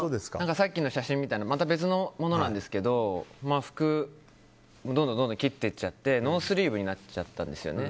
さっきの写真みたいにまた別のものなんですけど服、どんどん切っていっちゃってノースリーブになっちゃったんですね。